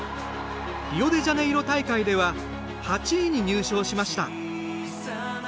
リオデジャネイロ大会では８位に入賞しました。